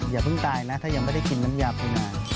อย่าเพิ่งตายนะถ้ายังไม่ได้กินน้ำยาไปนาน